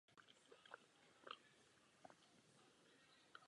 Film byl uveden v hlavní soutěži na Mezinárodním filmovém festivalu v Karlových Varech.